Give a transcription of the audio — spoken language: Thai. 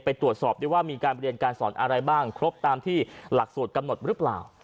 ไปตรวจสอบได้ว่ามีการเรียนการสอนอะไรบ้างครบตามที่หลักสูตรกำหนดหรือเปล่า